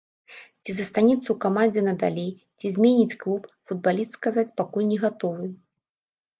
Ці застанецца ў камандзе надалей, ці зменіць клуб, футбаліст сказаць пакуль не гатовы.